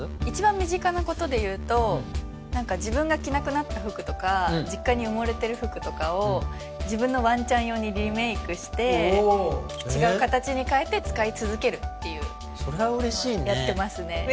一番身近なことでいうと何か自分が着なくなった服とか実家に埋もれてる服とかを自分のワンちゃん用にリメークして違う形に変えて使い続けるっていうそれは嬉しいねのをやってますね